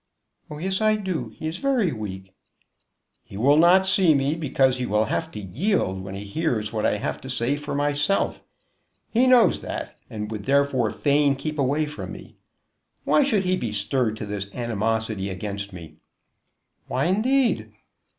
"Oh yes, I do; he is very weak." "He will not see me, because he will have to yield when he hears what I have to say for myself. He knows that, and would therefore fain keep away from me. Why should he be stirred to this animosity against me?" "Why indeed?"